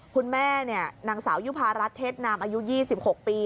นางสาวยุภารัฐเทศนามอายุ๒๖ปี